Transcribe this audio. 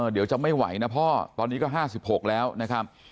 เดี๋ยวจะไม่ไหวนะพ่อตอนนี้ก็๕๖แล้วนะครับ